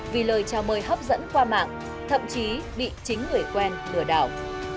vì lời chào mời hấp dẫn qua mạng thậm chí bị chính người quen lừa đảo